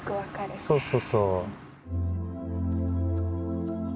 そうそうそう。